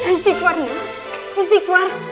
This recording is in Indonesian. istiqbar nak istiqbar